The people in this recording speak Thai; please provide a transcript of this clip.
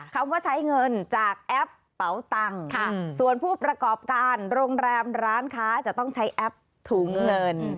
คำว่าใช้เงินจากแอปเป๋าตังค์ส่วนผู้ประกอบการโรงแรมร้านค้าจะต้องใช้แอปถุงเงิน